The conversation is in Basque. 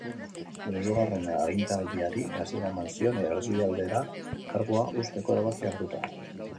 Bere hirugarren agintaldiari hasiera eman zion, erdialdera kargua uzteko erabakia hartuta.